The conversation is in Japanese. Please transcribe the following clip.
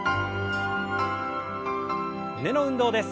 胸の運動です。